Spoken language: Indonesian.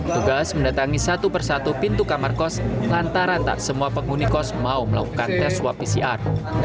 tugas mendatangi satu persatu pintu kamar kos lantaran tak semua penghuni kos mau melakukan tes swab pcr